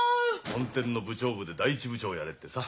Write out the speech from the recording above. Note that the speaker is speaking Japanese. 本店の部長部で第一部長やれってさ。